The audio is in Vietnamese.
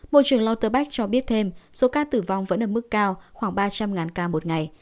bộ trưởng lauterbach cho biết thêm số ca tử vong vẫn ở mức cao khoảng ba trăm linh ca một ngày